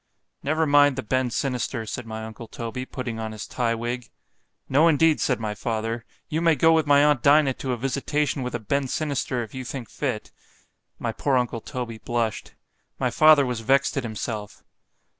—Never mind the bend sinister, said my uncle Toby, putting on his tye wig.——No, indeed, said my father—you may go with my aunt Dinah to a visitation with a bend sinister, if you think fit—My poor uncle Toby blush'd. My father was vexed at himself.